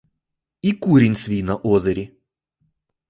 І курінь свій на озері!